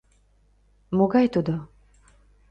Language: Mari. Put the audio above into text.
Могай тудо?